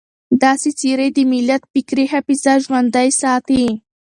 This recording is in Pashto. داسې څېرې د ملت فکري حافظه ژوندۍ ساتي.